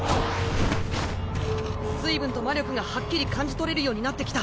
随分と魔力がはっきり感じ取れるようになってきた。